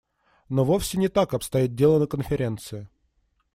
Но вовсе не так обстоит дело на Конференции.